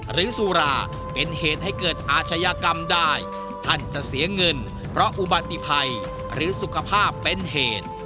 สุราเป็นเหตุให้เกิดอาชญากรรมได้ท่านจะเสียเงินเพราะอุบัติภัยหรือสุขภาพเป็นเหตุ